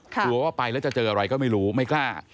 กลัวว่าไปแล้วจะเจออะไรก็ไม่รู้ไม่กล้า